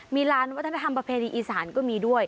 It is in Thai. มีร้านวัฒนธรรมประเพณีอีสานก็มีด้วย